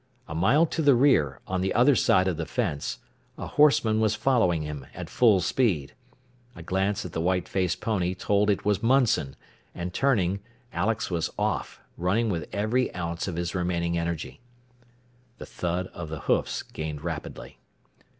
A mile to the rear, on the other side of the fence, a horseman was following him at full speed. A glance at the white faced pony told it was Munson, and turning, Alex was off, running with every ounce of his remaining energy. The thud of the hoofs gained rapidly.